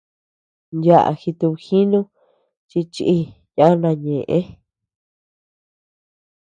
Yaʼa jitubjinu chi chíi yana ñëʼe.